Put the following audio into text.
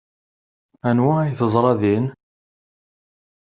Anwa ay teẓra din?